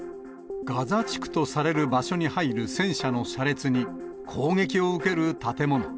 ガザ地区とされる場所に入る戦車の車列に、攻撃を受ける建物。